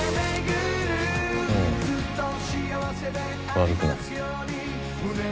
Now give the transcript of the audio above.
悪くない。